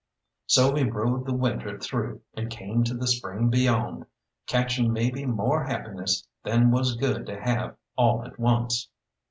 So we rode the winter through and came to the spring beyond, catching maybe more happiness than was good to have all at once.